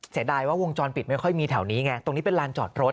เสียดายว่าวงจรปิดไม่ค่อยมีแถวนี้ไงตรงนี้เป็นลานจอดรถ